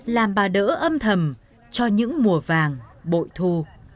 làm bà đỡ âm thầm cho những mùa vàng bội thu